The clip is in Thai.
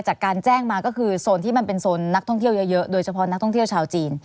จากการแจ้งมาก็คือโซนที่มันเป็นโซนนักท่องเที่ยวเยอะโดยเฉพาะนักท่องเที่ยวชาวจีน